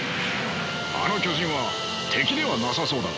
あの巨人は敵ではなさそうだが。